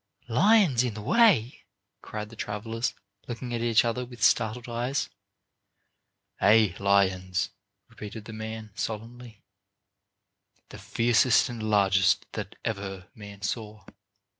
"Lions in the way!" cried the travelers, looking at each other with startled eyes. "Aye, lions," repeated the man solemnly, "the fiercest and largest that ever man saw.